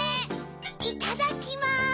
いただきます！